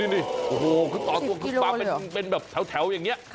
นี่โอ้โฮขึ้นต่อตัวเป็นแบบแถวอย่างนี้